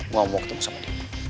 gue mau ketemu sama dia